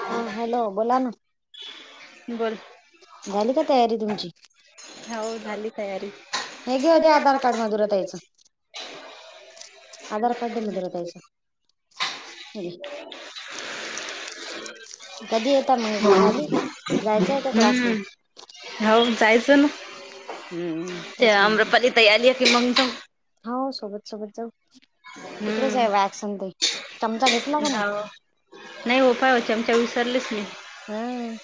हा हॅलो बोला ना बोल झाली का तयारी तुमची हऊ झाली तयारी हे घे होते आधार कार्ड मधुराताईचं आधार कार्ड मधरतायचं [unintelligible] हा कधी येता मग इकडे झाली जायचंय का क्लासने हम्म हो जायच ना हम्म ते तेच मग अम्रपाली त आली आहे की मंग हो सोबत सोबत जाऊ तिकडेच आहे वॅक्सन ते चमचा घेत जा नाही होपाय होचे आमच्या विसरलेच नाही हम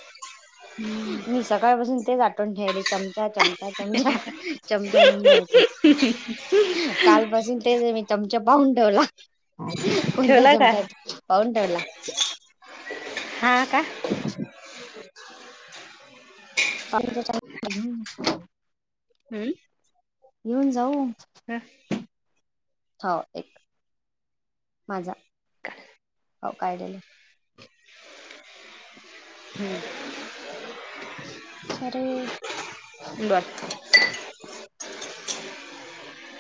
मी सकाळपासून तेच ठैरी चमचा चमचा चमचा चमचा घेऊन जायचा कालपसून तेच मी चमचा पाहून ठेवला कोणता ठेवला का? चमका पाऊन ठेवला हा का का हम्म घेऊन जाऊ हम हो एक माझा हो कायलं हम् खरे बत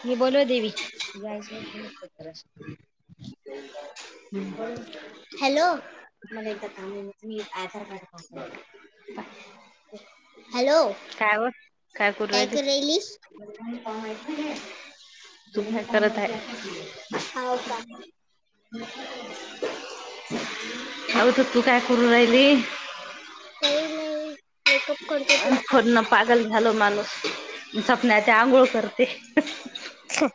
मी बोलो देवी जायचत बोल हॅलो मला एकदा काम आहे मी आधार काड पा ह हॅलो काय व टायगर रेलीस तुमही काय करत आहे? होव का? हम्, हऊथ तु काय कुरू राहिली,? काही नाही, मेकपऽ फोनन पागल झा्याल मानुस,, सपन्याचे आंघोळ करतेऽ हह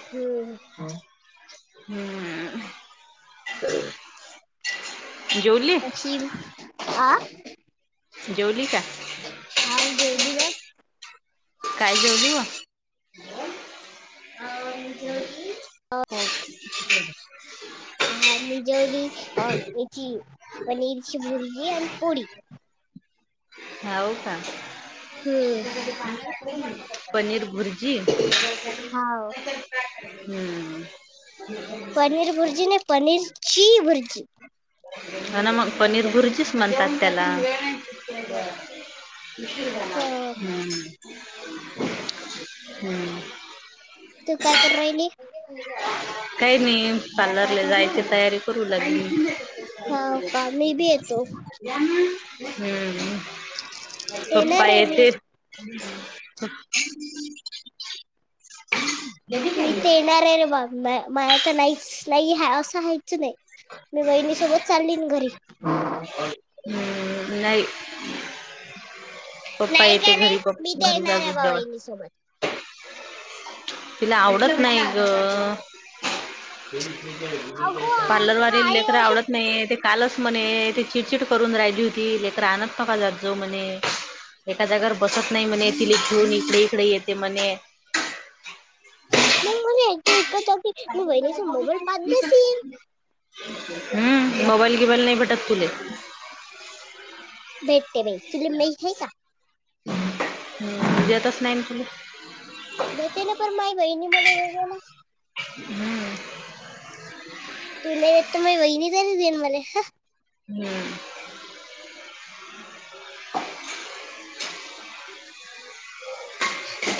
हम्म ह, जेवली? ीम आ जवली का हा ज्योलीला काय जेवली वा जेवली हा ह मी जेवली याची पनीरची भुरजीआणि पुळी. हऊ का? हम्म पनीर भुर्जी, हा हम्म, पनीर भुर्जी नाई पनीरची भुर्जी. ह ना मग पनीर भुर्जीच म्हणतात त्याला. ब झाणार,, हो हम्म. हम्म, तू काय करु राहिली? काही नाही, पार्लरला जायची तयारी करू लागलीऽ होा का, मी बी येतो. हम्, पप्पा येणार आहे मी येथेऽ मी तर येणार आहे रे, बाघ, माझ तर नाहीच नाही आहे असं हयचं नाही. मी बहिणी सोबत चालली घरी. हम्म, नाही, पप्पा नाही येते काय घरी नाही, मी पप् तेर घरी एनार जायचं बाबा जेवण ईच्या सोबतऽ तिला आवडत नाही ग. अगो पार्लर वालीला आई लेकर अशी आवडतऽ नाही, ते कालच म्हणे, ते चिडचिड करून राहिली होती लेकर आणत नका जाउ म्हणे. एका जागावर बसत नाही म्हणे, ति घेन इकडे इकडे येते म्हणे. ह, मग मलाट ऐकत की मी बहिणीचा मोबाईल पात बसीन. हम्म,, मोबाईल गिबाईल नाही भेटत तुले. ते, ऽ ज्यातच नाही ना तुला. म तेला पण माय गई नाही मले देवालाऽ हम्म तुला येत तर म वहिनीच नाही देईन मलाऽ हम्म,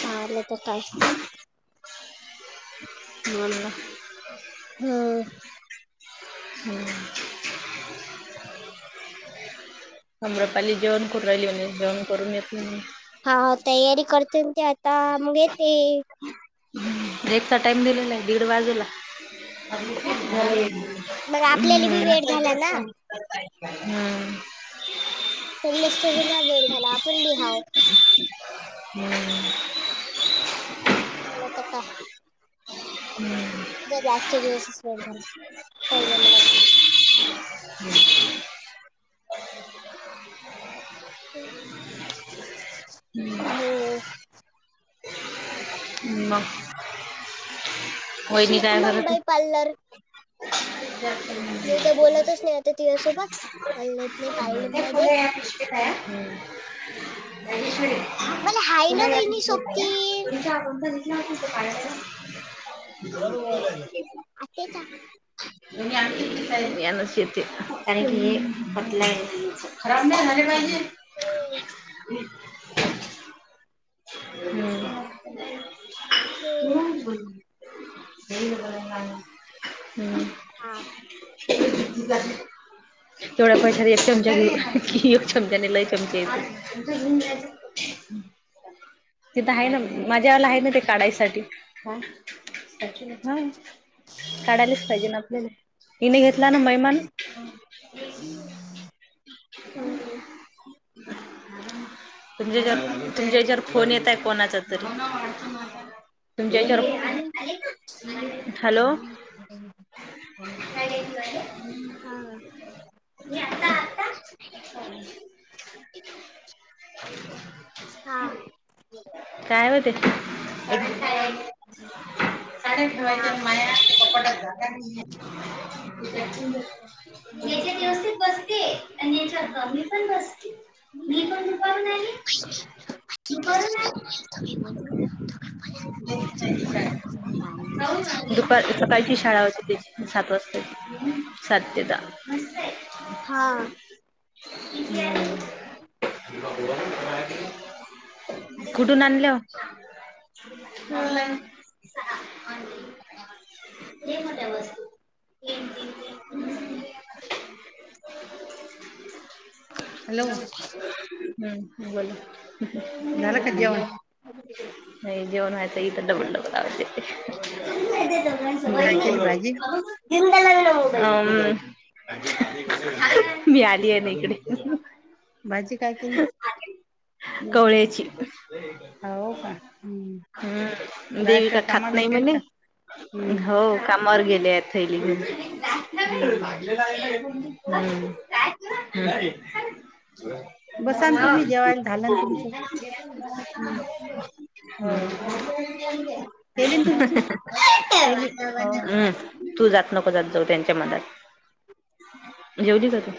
हा, आलं तर काय? मनलं. ह, होऽ सम्रपाली जेवण करु राहिली, म्हणज जेवण करून येतऽ हा तयारी करते ते आता मग येते ह् रेपचा टाइम दिलेला आहे दीड वाजेला हम् मग आपल्याला बी वेळ झाला ना हम्म त्यांलेच वेळ झाला आपण बि हाव हम्म [inaudible] झाल तर काय हम्म आजच्या दिवसाच वेळ झाला काही नाही मला हम्, हम् ह, मगऽ शिख मंग बाई पार्लर. भ मी ते बोलतच नाही आता तिझ्यासोबत,, बोललेत नाही पार्लरमध्येऽऽ ठीक आहे मला हाय ना वहिनी महेशवर सोबती पुला यास पच्या कोणाचा मोबाईल आहे आ आत्याच्या [inaudible] [unintelligible] कारण की खराब नाही झाले पाहिजे हम होम् हम ब हम् हा. तेवडा पैसा एक चमचा की एक चमचा आणि लय चमचा येत त तिथं आहे ना माझ्यावाला आहे ना ते काढायसाठी हा हा काढायलाच पाहिजे ना आपल्या हिने घेतला ना महिमान ह् तुमच्या हेच तुमच्या हेच्यावर फोन येत आहे कोणाचा तरी तुमच्या कोणाला याच्यावर बोलत आहे हॅलो तू हा हा काय होते हे तिकडे. साड्या हा. ठेवायच्या मा कपटात जागा नाहीये हेथ व्यवस्थित बसते आणि याच्या ममी पण बसते मी पणप नाही [inaudible] [inaudible] ह म हा. दुपारी सकाळी ची शाळा होती त्याची सात वाजताची सात ते दहा अस हा कुठून आणलं ओ आँनलाईन होम लय मोठ्या वस्तू [inaudible] हॅलो हम् बोला झालं का जेवण नाही जेवण व्हायचंय इथ डबल डबल लागते ते जे दोघांचं काय बाँडिंग केली हाय.. भाजी अहो घेऊन जायला आली ना मम्मी.. अं.. ह हं मी आलिये ना इकडे भाजी काय केली कवळेची हं हो का हम्म. हम्म देवी रायसर का खात कामाला नाही गेल म्हणे... का हम्म खावा ओ कामावर गेलेत थैली घ्युन हम्म लय लागलंय अं [inaudible] काय बसान तुम्ही जेवायला झालान तुमच हम्म केली ना तुमची केली हो हम्म तू जात नको जात जाऊ त्यांच्या मधात जेवली का तू?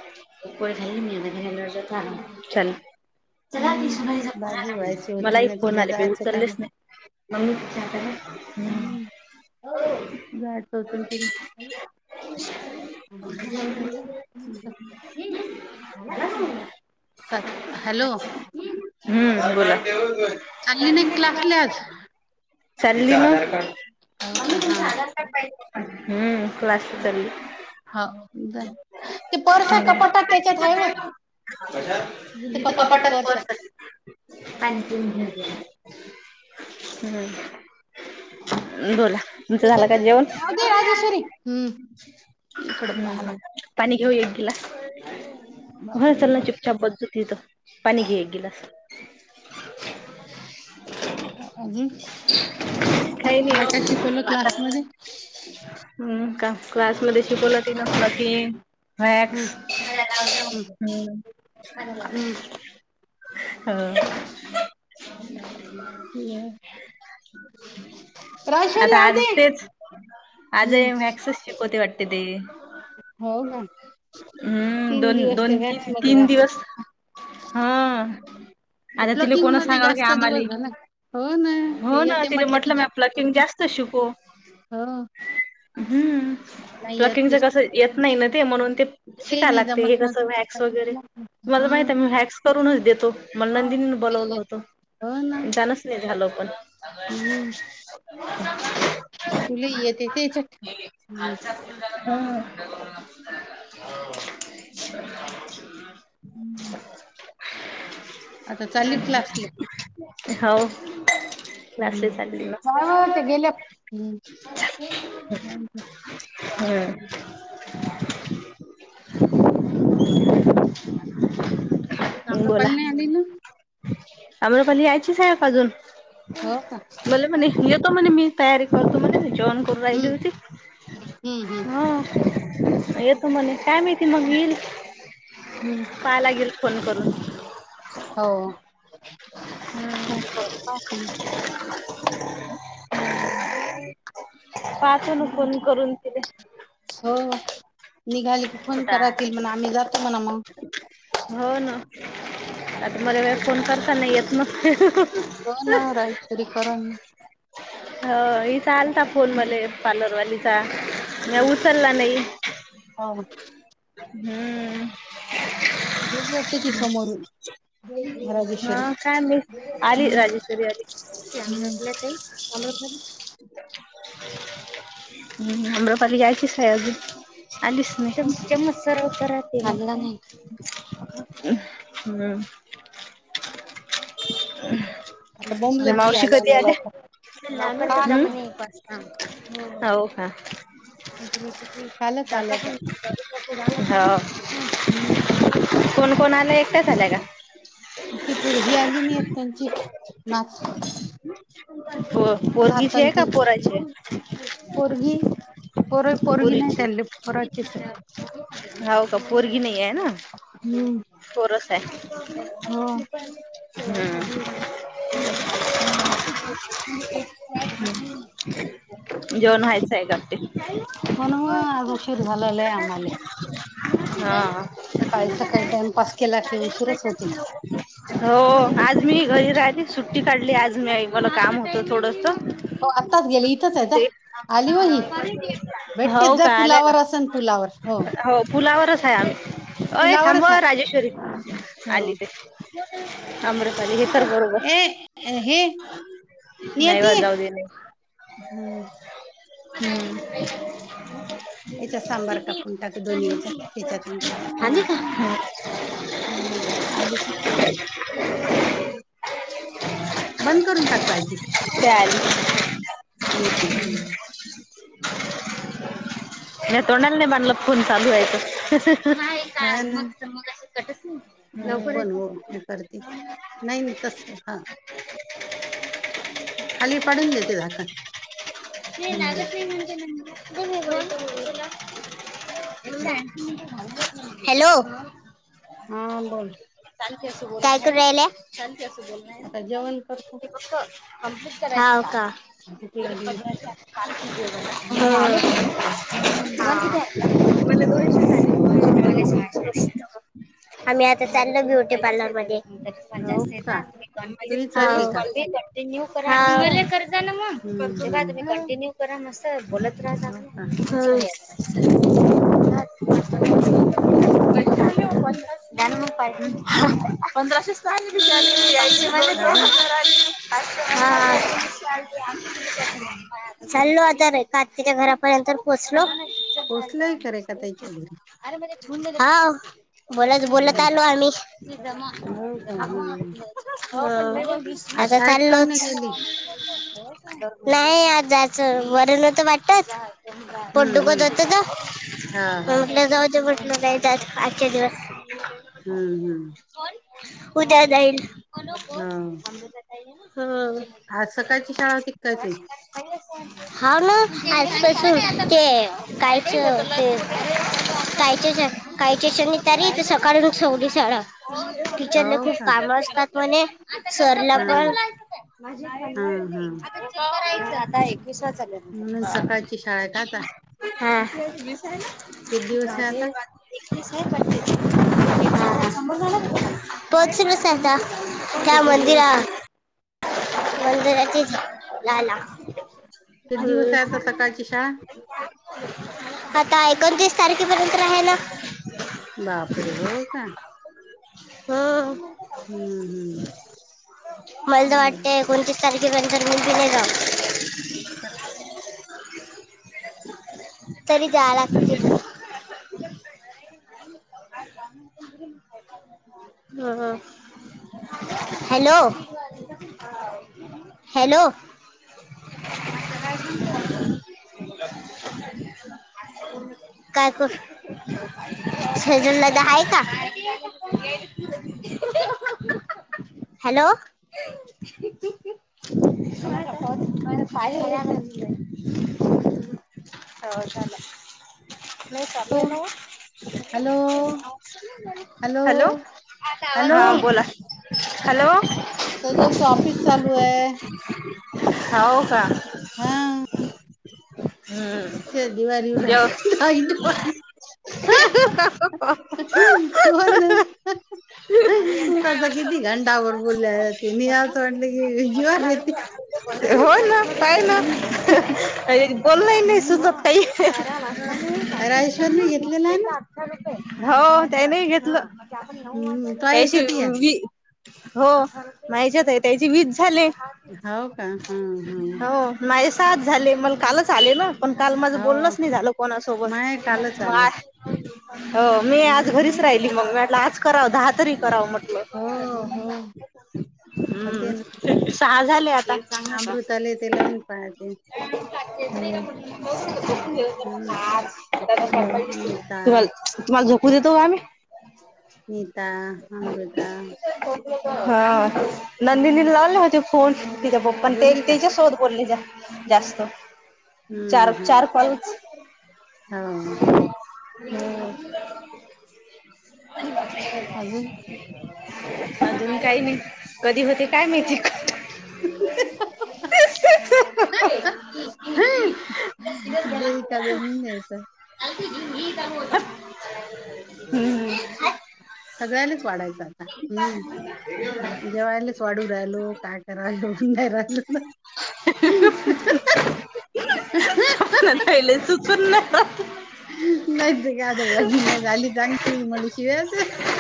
चला हम्म फ भाजी आ व्हायची होती मलाही ना फोन तिला आले मी जायचं काय उचललेच मग नाही मम्मी च्या हाताने. हम्म, झाड लोटन ते हं काय म्हणू जाय म्हणल्याव जा [unintelligible] हम्म [inaudible] सात, हॅलो. हम्म बोला, चालली नाही क्लासले आज [unintelligible] चाली म. हो का हम्म हा अं क्लासला चालली. हो जा ते पर्स आहे त्याच्यावर कपाटात पाय त्याच्यात टाकतायसा आहे व काय बाबा.. कशात... मी तर [unintelligible] [inaudible] कपाटात पर्स खाली, पाणी पिऊन घेऊ दे ना. हम्म अं. मी त्यात, का जेवण? राहुदे राजश्री, हम्म. इकडं हम्म पाहाला. हम्म पाणी घेऊ येऊ गॉल्लास, होय बापरे चालाय चुपचाप बस बगू इथं. पानी घे एक गिलास. [inaudible] अजून, काही नाही कायं हो कायं शिकवलं आता क्लासमध्ये. हम्म का? क्लासमध्ये शिकवलं तीला, बाकी. हम्म वॅक्स, हम्म. [unintelligible] हो. राजेश्वरी आता राहू आज दे तेच. हम्म आजही वॅक्सच शिकवते वाटते ते. हो का हम्म, तीन दिवस ते दोन-दोन व्हॅक्स तीन- मध्ये तीन घास दिवस. हा. ते आता तिला कोण प्लकिंगमध्ये सांगाव की जास्त दिवस आम्हाले झालाना. हो ना, हो ते ना येतय तिला म्हटलं की म ज्यास्त प्लकिंग पडत, जास्त हो. हम्म्म. नाही येत प्लकिंगच ते कसयं येत नाही न ते, म्हणून ते. ते शिकाय नाही लागते. हे जमत ना कसं वॅक्स वगैरे तुम्हाला हा माहिते, म व्हॅक्स करूनच देतो, मला नंदिनीन बोलवलं होत. हो ना जाणचं नाही झालं पण. हम्म, तुले येते तेच्यात. [inaudible] हं. हो [inaudible] हम्म. [inaudible] [inaudible] चालली क्लासला हं. काय व ते गेल्या हं. हम्म. हम् [inaudible] बोला, आम्रपाली आली ना अमरपली यायचीच हाय का अजून? हो का मला म्हणे येतो म्हणे मी, तयारी करतो म्हणे जेवन करू रायली हम्म होती, हम्म येत हो तो म्हणे, काय माहिती मग येईल. हम्म. पाहाय लागेल, फोन करून. हो. फोन हम्म करून पाहते मी. पाहतो [inaudible] ना हम्म, फोन करून तिले. हो हो, निघाले की फोन कुठं करा हाय? ती म्हणा आम्ही जातो म्हणा मग हो ना, आता मला काही, फोन करताना नाही येत न. हो ना राजेश्वरी करण.. ह हिचा आलता फोन मले पार्लरवालीचा. म्या उचलला नाही. हा. हम्म.. हेज वाटते ती समोरून राजेश्वरी हा काय नाही आली राजेश्वरी आली काय म्हटल्या ताई. आम री [unintelligible] हम्म आम्रपाली जायची हाय अजून. आलीस नाही [unintelligible] च्यामच सर्व करत झाला नाही. ह आता [inaudible] या बोंबलत ती मावशी कधी नाही आल्या? लवकर हाव काल का कालच जाता आल्या त्या तुम्ही हा व. हम्म. कोण कोण आला एकट्याच आल्या का? ह [unintelligible] ती पु ही आली न एक त्यांची नात. प पोरीगीची नातन हाय का ती पोराची हाय. पोरगी पोर पोरगी नाही पोरीची. त्या पोराचीच आहे. हव का पोरगी नाही आहे ना हम्म पोरस आहे. हो हम्म. [inaudible] जवना होयच आहे वाटते? हो ना मग आज उशीर झालेला आहे आम्हाले हा [unintelligible] सकाळी सकाळी टाइमपास केला की उशीरच होते हो आज मी घरी राहिली सुट्टी काढली आज म्याइ मला काम होत. थोडस. हो आत्ताच गेले इथंच आहे जा ते आली व ही होऊ भेटतेच जा काय आल्या का पुलावर असन पुलावर हो पुलावरच आहे आम्ही अय थांब पुलावरच आहे राजेश्वरी. आली हो ते आम्रपाली हे कर बरोबर. ए हे नाहीय वा जाऊ देले. हम्म. हम्म. याच्यात सांबरटाक. आली का? हा हा आली की [inaudible] बंद करून टाक बायची ते आली म्या तोंडाला नाही बांधलात फोन चालू आहे तर का हा ना मग मग असं कटच नाही आता लवकर कोण यायचं. हो हे करते नाही तस हा खाली पाडून देते झाकण नाही ह लागत [unintelligible] हॅलो. हा बोल. शांती असू बोल काय करू राहिल्या शांती असू बोल आता जेवण करतो ते फक्त हाव का. भूक लागली हम्म हम्म [unintelligible] [unintelligible] आम्ही आता चालो ब्युटी पार्लर मध्ये हो जास्त का येता. तुही चालली [unintelligible] का स्पर्ध कंटिन्यू करा कज ना मग हम्म स्र्धे म हम्म कंटिन्यू बरा मस्त हाय बोलत हो राहातो का आम्ही हम्म. [inaudible] हम्म अजून [unintelligible] [unintelligible] आतीच्या घरापर्यंत तर पोचलो. पोचलंय करे का त्याच्या घरी [unintelligible] बोलत बोलत हम्म आलो आम्ही का हो. हम्म आज आता शाळेत काऊन नाही चाललोच. गेली नाही आज जायचं बर नव्हतं वाटत पोट हम्म दुख हम्म त होत हा त हा म जाऊ आजच्या दिवस हम्म हम्म. उद्या जाईल ह. हो हा सकाळची शाळा होती का काय ह्याची हा न आज तर सुट्टी आहे कालच ते कालच्याच कालच्या शणी तरी सकाळची ठेवली शाळा हो टिचरला खूप का काम असतात म्हणे सरला हा पण हा हा म्हणून [unintelligible] [unintelligible] हा. किती दिवस आहे आता किती दिवस आहे [unintelligible] [unintelligible] लाला किती दिवस आहे आता हम्म. सकाळची शाळा आता एकोणतीस तारखेपर्यंत राहा ना. बापरे हो का. हो हम्म मला हम्म तर वाटतय [unintelligible] तरी जा लागतय. [inaudible] हम्म हम्म हॅलो. हॅलो. काय करू. शेजल दादा आहे का? [inaudible] Hello. [unintelligible] [unintelligible] Hello hello [unintelligible] hello hello हा बोला हॅलो. सेजलच ऑफिस चालू आहे. हव का. हा हम्म जेव [unintelligible] [unintelligible] हो ना. [unintelligible] तचा किती घंटावर बोलल्यानि अस असं म्हटलं की जीवावर येते. हो ना. [unintelligible] नाही काई बोलन ही नाही सुचत काही हराळेश्वर मी घेतलेला आहे ना. अठरा हो त्यानेही घेतलं हम्म तो त्याशी याच्यात या हो मनिशा ताई आहे त्याची वीस झाले. हव का हा हा. नाही सात झाले मला कालच आले ना. पण काल माझं हो बोललच नाही झालं कोणासोबत माय कालच मग आलं आज हो मी आज हम्म घरीच राहिली मग म्हटलं आज करावं दहा तरी कराव म्हटल हो हो होते ना हम् सहा झाले आता. का [unintelligible] अमृताले ते लावून पाहायचे हम्म ह नीता तु्हाला तुम्हाला झोपू देतो का आम्ही नीता अमृता हा नंदनी हम्म लावली होते फोन तिच्या पप्पा ते बोलली का हम्म तिच्या सोबत बोले त्या जास्त चार हम्म चार कॉल हो हम् अजून अजून काही नाही कधी होते काय माहिती कट हहाह ी अजून द्यायचं [unintelligible] सगळ्यालाच वाढायचं आता हम्म जेवयलाच वाढू राहिलो काय करा येऊन नाही राहिल ना हहह ह्ह्हहहह वप् पहिले [unintelligible] [unintelligible]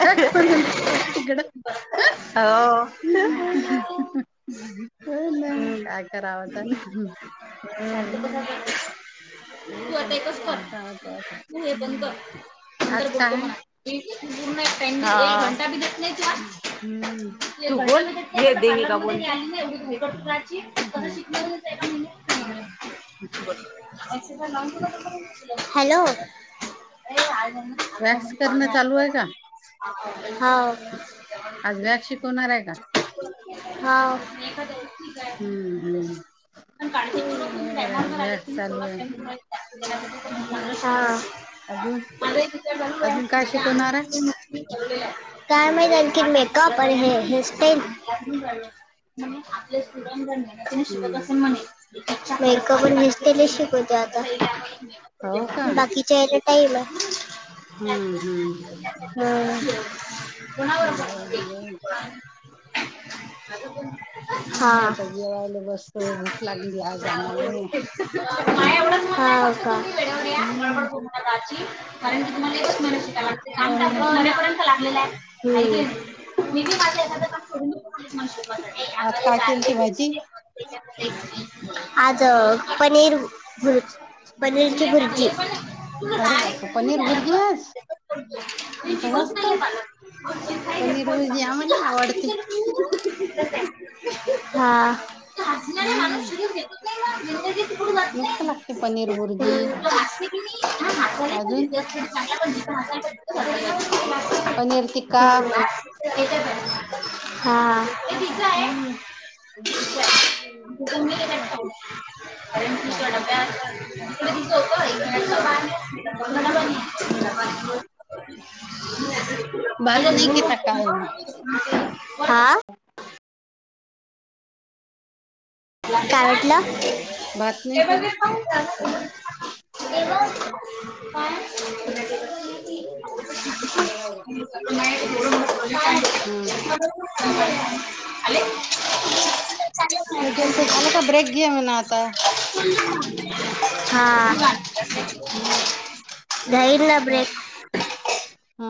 तिकड [unintelligible] हो ना काय कराव आता हम्म, त कसा करत तू आता पाहतो आता [unintelligible] तू हे बंद हम्म. कर नंतर आज काय बोलतो म्हणा [unintelligible] हम्म [unintelligible] [inaudible] महिन्यात हॅलो वॅक्स करणं चालू आहे का हा आज वव्हॅक्स शिकवणार आहे का? ह हम्म हम्म हा बरोबर आहे आज वॅक्स चालू आहे अजून [unintelligible] माझा एक विचार चालू अजून आहे काय माझ्या शिकवणार आहे आ काय माहित आणखी मेकअप आणि हे हेअरस्टाइल म्ह आपले स्टुडंट जर म शिकत हम्म. मेकअप [unintelligible] आण नसतील शिकवत्यात हो का [unintelligible] बाकीच्या याला टाईम आहे. हम्म हम्म हम्म, कुनावर पण, बरोबर अजुन कोणऽऽ [unintelligible] मी आता जेवायला बसतो,, भूक लागली आज आम्हाले हां, का कारण की तुम्हाला एकच महिना शिकायला मिळते,,, काम हो ना नव्यापर्यंत लागलेला आहे मी माझं एखादं काम सोडून देऊ पण मला शिकवायसाठी. आज आम्हाला काय जाते केलती भाजी? आज पनीर पनीर ची बुर्जी. तुला अरे बाप पनीर भुर्जी आज [unintelligible] तर जिवच मस्त नाहीये पालक पनीर भुर्जी आम्हाला आवडते. [unintelligible] हा हम्म [unintelligible] पुढे जात मस्त नाही. लागते पनीर बुर्जी जो अजून णज पनीर टिक्का हा हम्म, त मी मस्त घेतात पाऽ लागते अर त भाज्या. न्या त दिस होतो ऐऽऽ ब बात नाही केता काय ओ मऽ हां, भात नाही केला काय मटला? म, काय? हम्म नाही. आलेऽ जल तर झालं का ब्रेक घे म्हणाव आताऽ हां, घ्यायला हो ब्रेक. हा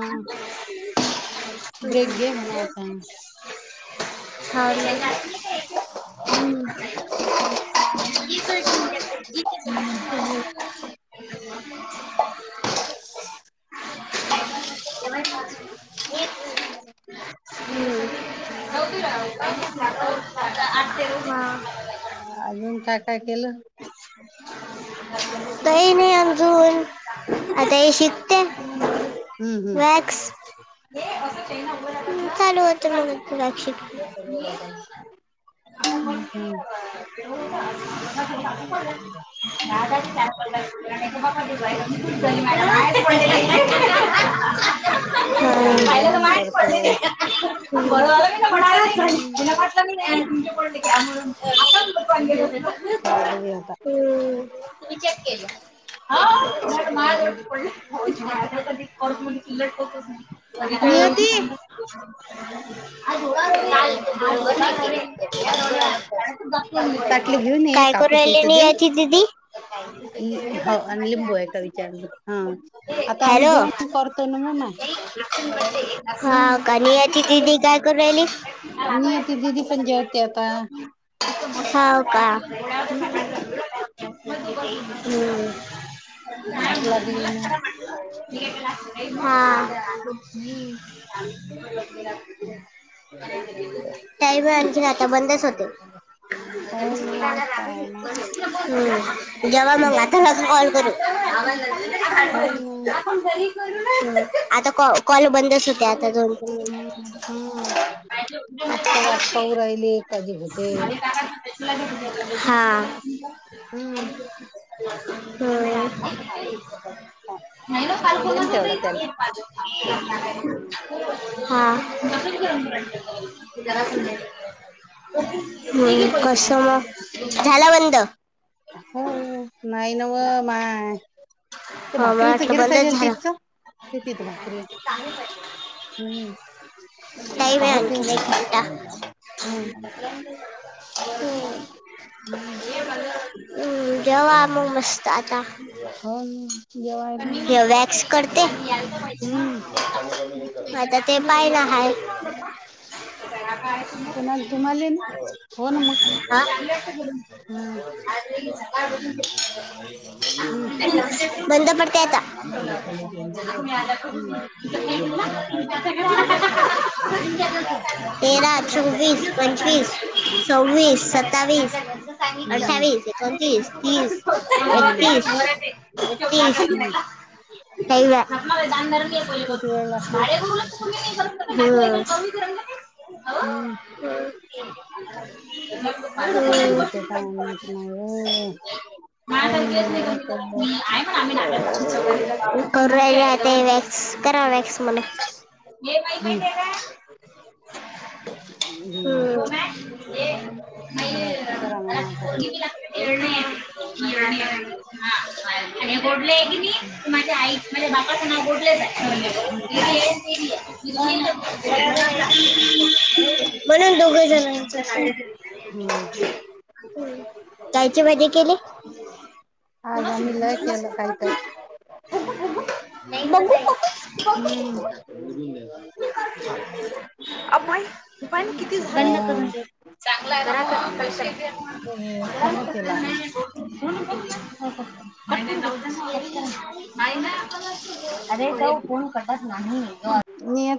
ब्रेक घे मनाव आताऽ ह. कर, ह [inaudible] ह्,, आठ तेऽऽ अजून काय काय केलं? तही नाही अजूनऽऽ आता हे शिकतेऽ हम्म, हम्म, चालू होत मला राखशीलऽ हम, ह ह त हम्म हो, आतामही जेवण करतो‌ बरं झालं मी ना म्हणाला चटलं मी नाही तुमच्याकऽऽ आता त् चेक केलंऽऽ हां, मऽ नियती करतऽऽ आता कालऽ ताटले घेऊन ये कापूचे राहिली इथं नाही दे याची दीदी हे ह बघ, माझे अलिंबू आहे का आजपासून विचारला हा आता आम्ही हॅलो जेवण करतो ना मग मा ते आपण हा कणी यची तिी गायकड राहिली नियती दिदी पण जेवते आपता होव का का आता भूक लागली मला ना खरा वाट हा आ ल लात त्याही वेळ आमचे खाता बंदच होते. हो ना काय माय जावा मग ऽ कॉल करू हो ना आता कऽऽ कॉल बंदच होते,, आता दोन तीन हम्म हम्म ऽ अज हा हम्म हो नाही ना दे ना पालकोनाच तेवढा त्याला पा हा कसं मग झाला बंद हो नाही न म माय ते हो मला भाकरीचं वाटलं बंदच गिरसायजेल झाला. तिथचं ते तिथ भाकरी हम्म तय म आण आता होते आणखी नाही खेता हम्म हम् हम्म जवाम मस्त आता हा वॅक्स करते हम्म आता ते पाय ना आहे कोणा तुम्हाला हो ना मग हा. हम् ह बंद पडते आता. आमच दक्षल यांच्या बडले मसाला खाय हो हो हो तेरा चोवीस पंचवीस सववीस सत्तावीस हम्म अठ्ठावीस चोतीस तीस हम्म एकतीस हम्म ददरून किती वेळ लागते बला हम्म हम् माहित नाही अ होय होय ना म्हणा लवकर माच करूरा ते वॅक्स करा वॅक्स मला हे माई माटे काय हम्म म ए आणि गोडले आहे की नाही माझ्या आई माझ्या बापाचं नाव गोडलेच [unintelligible] म्हणून दोघही जणां त्यायचे मध्ये केले आजमल केला काय काय बघू हम् अ पण किती ब करून चांगला घ पैश हे सर्व केलं आज [unintelligible] अरे ते फन कटत नाही न